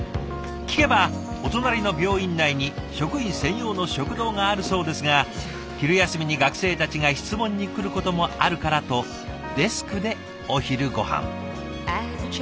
聞けばお隣の病院内に職員専用の食堂があるそうですが昼休みに学生たちが質問に来ることもあるからとデスクでお昼ごはん。